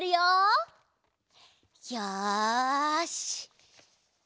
よし。